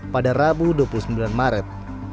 pada rabu dua puluh sembilan maret